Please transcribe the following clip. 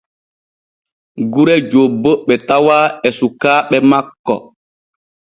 Gure jobbo ɓe tawa e sukaaɓe makko.